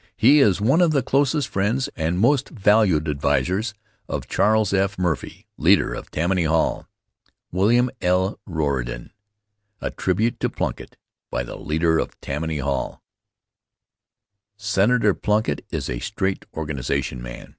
He is one of the closest friends and most valued advisers of Charles F. Murphy, leader of Tammany Hall. William L. Riordon A Tribute to Plunkitt by the Leader of Tammany Hall SENATOR PLUNKITT is a straight organization man.